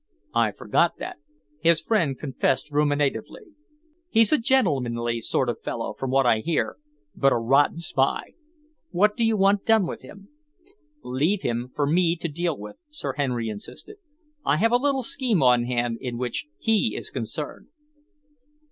"I forgot that," his friend confessed ruminatively. "He's a gentlemanly sort of fellow, from what I hear, but a rotten spy. What do you want done with him?" "Leave him for me to deal with," Sir Henry insisted. "I have a little scheme on hand in which he is concerned."